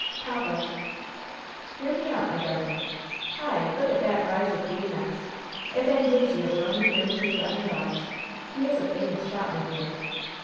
"Papa " "Hear me out, my darling! Hi! look at that rise of blue necks! If Anglesea were only here with his gun and dogs! He is a famous shot, my dear!